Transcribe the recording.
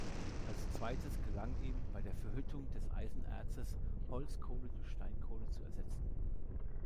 Als zweites gelang ihm bei der Verhüttung des Eisenerzes Holzkohle durch Steinkohle zu ersetzen.